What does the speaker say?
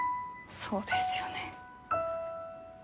そうなんですよね。